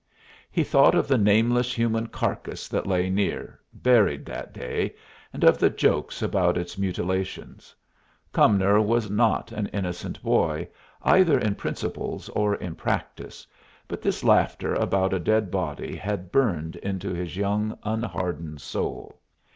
He thought of the nameless human carcass that lay near, buried that day, and of the jokes about its mutilations. Cumnor was not an innocent boy, either in principles or in practice, but this laughter about a dead body had burned into his young, unhardened soul.